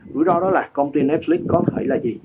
rủi ro đó là công ty eblis có thể là gì